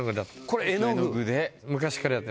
これ絵の具昔からやってます